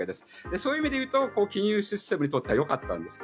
そういう意味でいうと金融システムにとってはよかったんです。